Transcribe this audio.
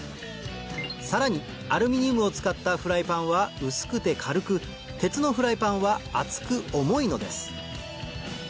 さらにアルミニウムを使ったフライパンは薄くて軽く鉄のフライパンは厚く重いのです